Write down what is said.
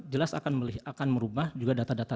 jelas akan merubah juga data data